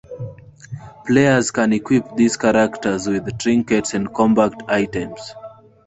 Players can equip these characters with trinkets and combat items.